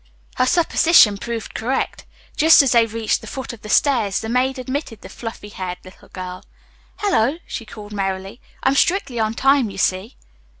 Her supposition proved correct. Just as they reached the foot of the stairs the maid admitted the fluffy haired little girl. "Hello!" she called merrily. "I'm strictly on time, you see."